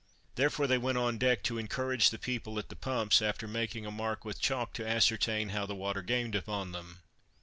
Therefore they went on deck, to encourage the people at the pumps, after making a mark with chalk to ascertain how the water gained upon them.